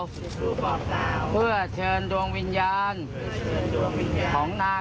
สัมปเวศีวิญญาณเล่ลอนทั้งหลาย